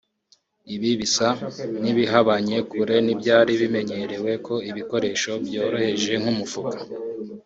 Ibi bisa n’ibihabanye kure n’ibyari bimenyerewe ko ibikoresho byoroheje nk’umufuka